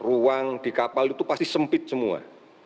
di jepang di kapal itu pasti sempit semua